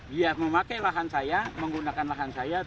biar memakai lahan saya menggunakan lahan saya